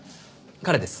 彼です。